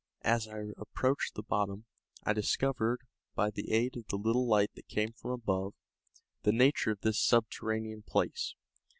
As I approached the bottom, I discovered, by the aid of the little light that came from above, the nature of this subterranean place.